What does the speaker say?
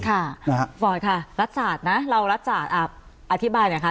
ค่ะฟอร์ตค่ะรัฐศาสตร์นะเรารัฐศาสตร์อธิบายหน่อยค่ะ